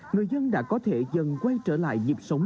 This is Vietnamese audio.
người dân đã có thể dần quay lại